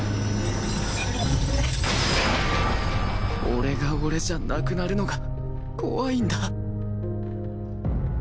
俺が俺じゃなくなるのが怖いんだ